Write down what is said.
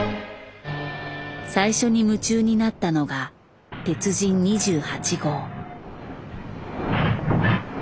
最初に夢中になったのが「鉄人２８号」。